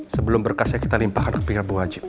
sebelum berkasnya kita limpahkan ke pilihan buajib